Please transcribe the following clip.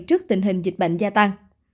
trước tình hình dịch bệnh gia tăng